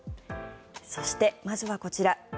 そして、まずはこちら。